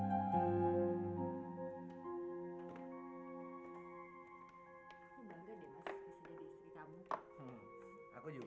ya aku usahainya